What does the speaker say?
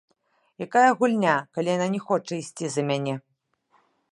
Якая гульня, калі яна не хоча ісці за мяне.